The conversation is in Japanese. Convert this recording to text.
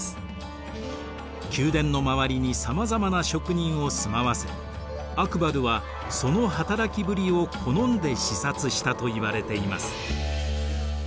宮殿の周りにさまざまな職人を住まわせアクバルはその働きぶりを好んで視察したといわれています。